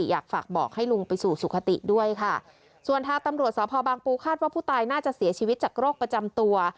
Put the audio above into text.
อยากฝากบอกให้ลุงไปสู่สุขติด้วยค่ะส่วนทางตำรวจสพบางปูคาดว่าผู้ตายน่าจะเสียชีวิตจากโรคประจำตัว